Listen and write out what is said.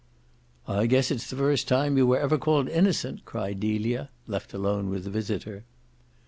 "I guess it's the first time you were ever called innocent!" cried Delia, left alone with the visitor.